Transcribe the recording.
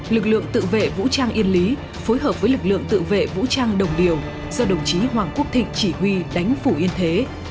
lực lượng tự vệ vũ trang yên lý phối hợp với lực lượng tự vệ vũ trang đồng điều do đồng chí hoàng quốc thịnh chỉ huy đánh phủ yên thế